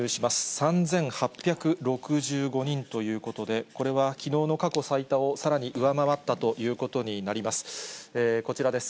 ３８６５人ということで、これはきのうの過去最多をさらに上回ったということになります。